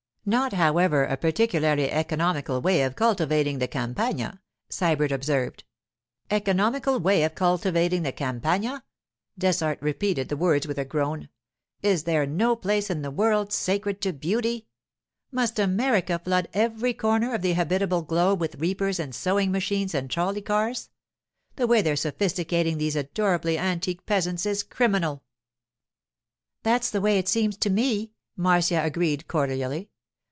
'Not, however, a particularly economical way of cultivating the Campagna,' Sybert observed. 'Economical way of cultivating the Campagna!' Dessart repeated the words with a groan. 'Is there no place in the world sacred to beauty? Must America flood every corner of the habitable globe with reapers and sewing machines and trolley cars? The way they're sophisticating these adorably antique peasants is criminal.' 'That's the way it seems to me,' Marcia agreed cordially.